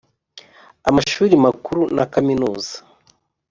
amashuri makuru na Kaminuza.